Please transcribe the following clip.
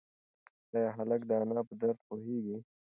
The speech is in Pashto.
ایا هلک د انا په درد پوهېږي؟